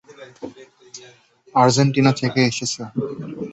Argentina থেকে এসেছে!